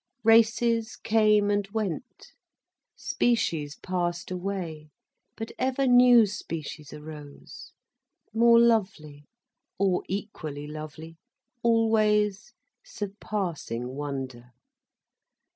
Races came and went, species passed away, but ever new species arose, more lovely, or equally lovely, always surpassing wonder.